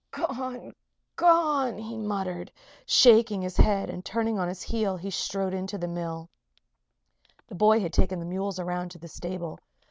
"Gone! Gone!" he murmured, shaking his head; and turning on his heel, he strode into the mill. The boy had taken the mules around to the stable.